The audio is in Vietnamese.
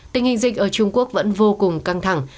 tình hình dịch ở trung quốc vẫn vô cùng căng thẳng